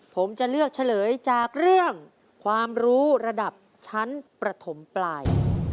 ผมจะเลือกเฉลยจากเรื่องความรู้ระดับชั้นประถมปลาย